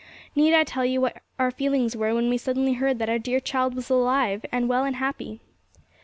'Need I tell you what our feelings were when we suddenly heard that our dear child was alive, and well and happy!